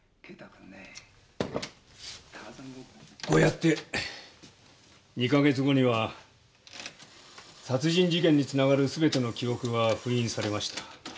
こうやって２か月後には殺人事件につながるすべての記憶は封印されました。